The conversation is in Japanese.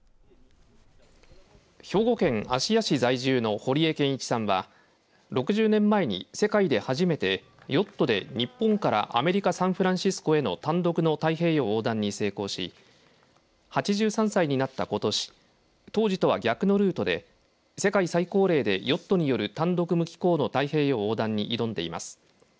兵庫県芦屋市在住の堀江謙一さんは６０年前に世界で初めてヨットで日本からアメリカ・サンフランシスコへの単独の太平洋横断に成功し８３歳になったことし当時とは逆のルートで世界最高齢でヨットによる単独無寄港の太平洋横断に挑んでいます。